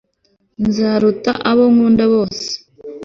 Nzaruta abo nkunda bose